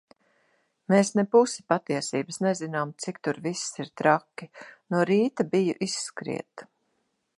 Mēs ne pusi patiesības nezinām, cik tur viss ir traki. No rīta biju izskriet.